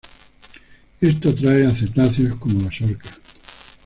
Esto atrae a cetáceos como las orcas.